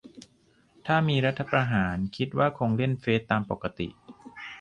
ถ้ามี รัฐประหาร คิดว่าคงเล่นเฟซตามปกติ